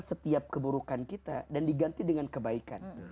setiap keburukan kita dan diganti dengan kebaikan